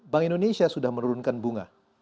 bank indonesia sudah menurunkan bunga